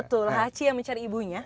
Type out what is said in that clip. betul haci yang mencari ibunya